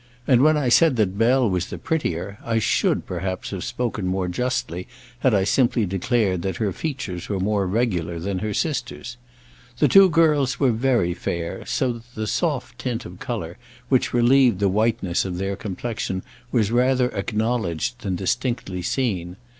And when I said that Bell was the prettier, I should, perhaps, have spoken more justly had I simply declared that her features were more regular than her sister's. The two girls were very fair, so that the soft tint of colour which relieved the whiteness of their complexion was rather acknowledged than distinctly seen.